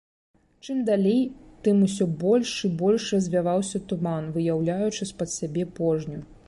Чым далей, тым усё больш і больш развяваўся туман, выяўляючы з-пад сябе пожню.